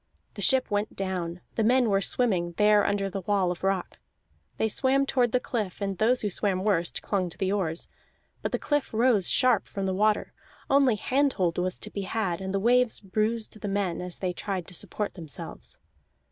The ship went down; the men were swimming, there under the wall of rock. They swam toward the cliff, and those who swam worst clung to the oars. But the cliff rose sharp from the water, only hand hold was to be had, and the waves bruised the men as they tried to support themselves.